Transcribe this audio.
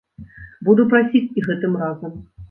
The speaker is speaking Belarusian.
Буду прасіць і гэтым разам.